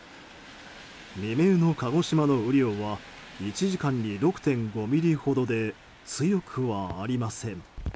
未明の鹿児島の雨量は１時間に６．５ミリほどで強くはありません。